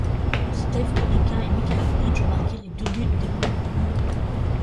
Steve Corica et Michael Bridges, ont marqué les deux buts des Blues.